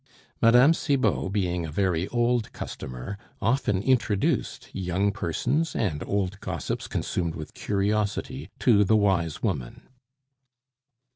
Mme. Cibot, being a very old customer, often introduced young persons and old gossips consumed with curiosity to the wise woman.